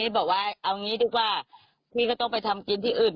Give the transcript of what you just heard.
บอกว่าเอางี้ดีกว่าพี่ก็ต้องไปทำกินที่อื่น